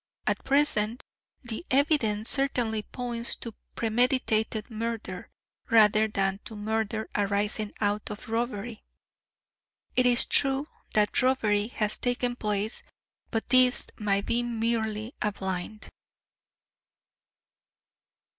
At present the evidence certainly points to premeditated murder rather than to murder arising out of robbery. It is true that robbery has taken place, but this might be merely a blind."